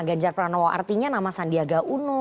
ganjar pranowo artinya nama sandiaga uno